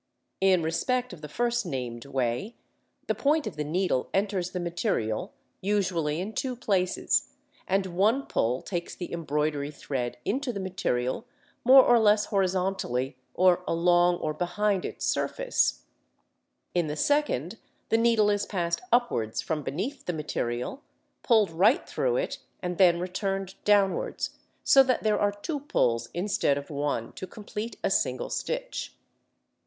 In respect of the first named way, the point of the needle enters the material usually in two places, and one pull takes the embroidery thread into the material more or less horizontally, or along or behind its surface (Fig. 1). In the second, the needle is passed upwards from beneath the material, pulled right through it, and then returned downwards, so that there are two pulls instead of one to complete a single stitch. [Illustration: Fig. 1. Stem Stitch a peculiar use of short stitches.